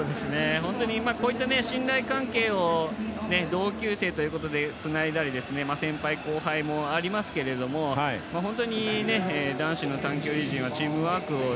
今こういった信頼関係を同級生ということでつないだり、先輩、後輩もありますけれど、男子の短距離陣はチームワークを。